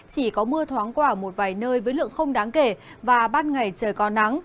chỉ có mưa thoáng quả ở một vài nơi với lượng không đáng kể và ban ngày trời có nắng